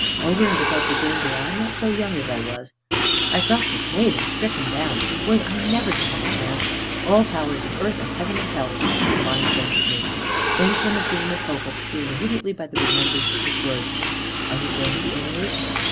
Over and above the danger, I am not so young as I was." I felt dismayed, and stricken down. Was I never to have a chance? All powers of earth and heaven and hell seemed to combine against me. Then came a gleam of hope, obscured immediately by the remembrance of his words. "Are you going to Italy?"